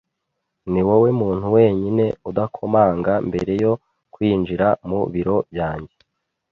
Niwowe muntu wenyine udakomanga mbere yo kwinjira mu biro byanjye.